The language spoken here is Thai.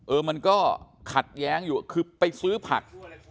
มันก็ขัดแย้งอยู่คือไปซื้อผัก